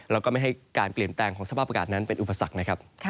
แล้วก็ไม่ให้การเปลี่ยนแปลงของสภาพอากาศนั้นเป็นอุปสรรคนะครับ